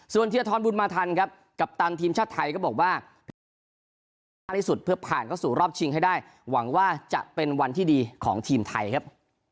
ส่วนเทียร์ท้อนบุญมาทันครับกัปตันทีมชาติไทยก็บอกว่าเพื่อผ่านเข้าสู่รอบชิงให้ได้หวังว่าจะเป็นวันที่ดีของทีมไทยครับ